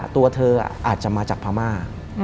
ตัวเธออาจจะมาจากพม่า